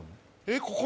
えっ？